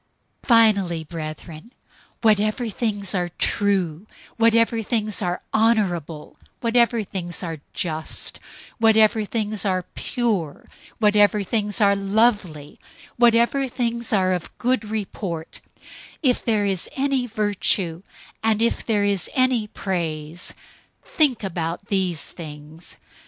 004:008 Finally, brothers, whatever things are true, whatever things are honorable, whatever things are just, whatever things are pure, whatever things are lovely, whatever things are of good report; if there is any virtue, and if there is any praise, think about these things.